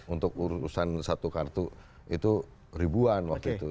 untuk urusan satu kartu itu ribuan waktu itu